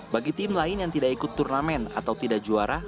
bagi tim lain yang tidak ikut turnamen atau tidak juara